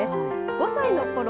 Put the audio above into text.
５歳のころ